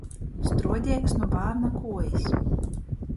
Struodeigs nu bārna kuojis.